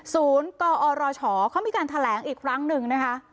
กอรชเขามีการแถลงอีกครั้งหนึ่งนะคะ